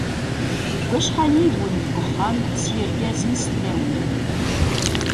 Aux Jeux de Mexico, il remporte la médaille de bronze.